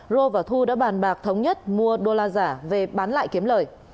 rô và thu đã bàn bạc thống nhất mua đô la giả về bán lại kiếm lợi